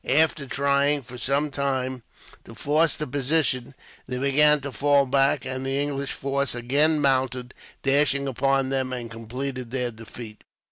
After trying for some time to force the position, they began to fall back; and the English force again mounted, dashed upon them, and completed their defeat.